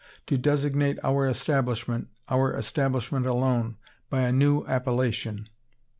To designate our establishment, our establishment alone, by a new appellation.